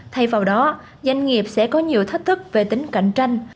thay vào đó doanh nghiệp sẽ có nhiều thách thức về tính cạnh tranh